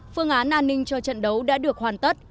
phương án an ninh cho trận đấu đã được hoàn tất